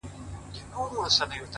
هره شېبه د انتخاب ځواک لري.!